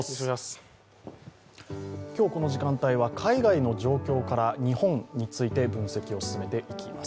今日この時間帯は海外の状況から日本について分析を進めていきます。